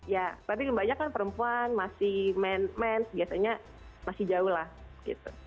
ya tapi lebih banyak kan perempuan masih men biasanya masih jauh lah gitu